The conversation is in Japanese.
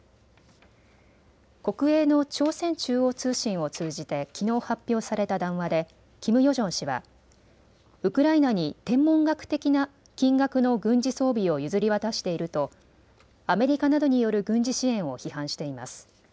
国営の朝鮮中央通信を通じてきのう発表された談話でキム・ヨジョン氏はウクライナに天文学的な金額の軍事装備を譲り渡しているとアメリカなどによる軍事支援を批判しています。